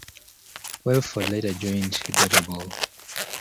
Wellford later joined Gutterball.